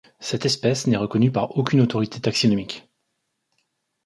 Cette espèce n'est reconnue par aucune autorité taxinomique.